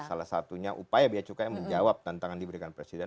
salah satunya upaya biaya cukai menjawab tantangan diberikan presiden